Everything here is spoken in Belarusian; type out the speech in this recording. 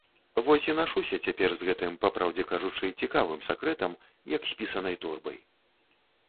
Вось і нашуся цяпер з гэтым, папраўдзе кажучы, цікавым сакрэтам, як з пісанай торбай.